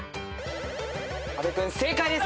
阿部君正解です。